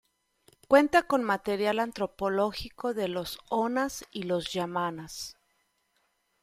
Cuenta con material antropológico de los Onas y los Yámanas.